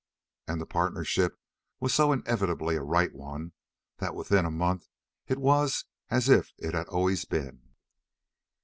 And the partnership was so inevitably a right one that within a month it was as if it had always been.